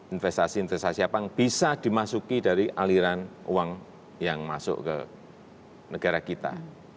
investasi investasi apa yang bisa dimasuki dari aliran uang yang masuk ke negara kita